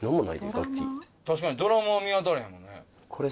確かにドラムは見当たらへんもんね。